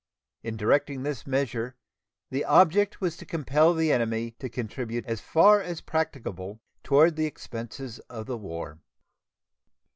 In directing this measure the object was to compel the enemy to contribute as far as practicable toward the expenses of the war.